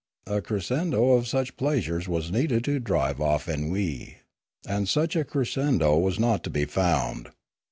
A crescendo of such pleasures was needed to drive off ennui; and such a crescendo was not to be found.